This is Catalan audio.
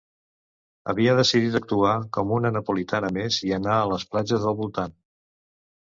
Havia decidit actuar com una napolitana més i anar a les platges del voltant.